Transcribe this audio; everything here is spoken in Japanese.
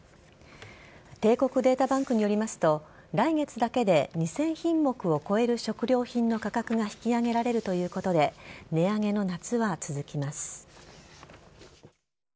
帝国データバンクによりますと来月だけで２０００品目を超える食料品の価格が引き上げられるということで値上げの夏は続きます。